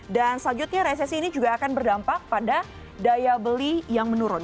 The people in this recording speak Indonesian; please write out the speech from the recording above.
dan selanjutnya resesi ini juga akan berdampak pada daya beli yang menurun